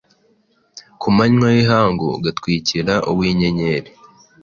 ku manywa y’ihangu ugatwikira uw’inyenyeri.